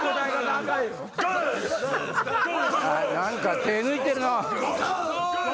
何か手抜いてるな。